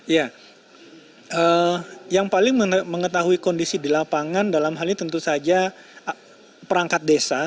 ya yang paling mengetahui kondisi di lapangan dalam hal ini tentu saja perangkat desa